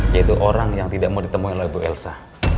yaitu orang yang tidak mau ditemui oleh bu elsa